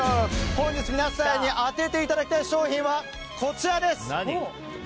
本日皆さんに当てていただきたい商品はこちらです！